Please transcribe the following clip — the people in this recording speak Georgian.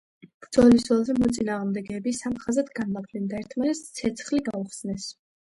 ბრძოლის ველზე მოწინააღმდეგები სამ ხაზად განლაგდნენ და ერთმანეთს ცეცხლი გაუხსნეს.